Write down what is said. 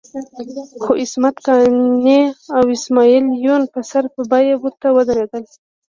خو عصمت قانع او اسماعیل یون په سر په بیه ورته ودرېدل.